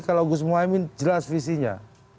kalau gus muhaymin jelas visinya